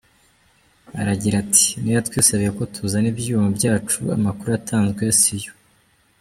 Aragira ati; "Ni yo yatwisabiye ko tuzana ibyuma byacu, amakuru yatanzwe si yo.